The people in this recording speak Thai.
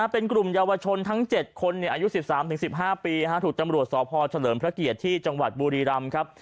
เป็นกลุ่มเยาวชนทั้ง๗คนอายุ๑๓๑๕ปีถูกตำรวจสพเฉลิมพระเกียรติที่จังหวัดบุรีรำครับ